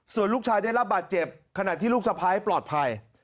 ส่วนลูกชายได้รับบาดเจ็บขณะที่ลูกสะพ้ายปลอดภัย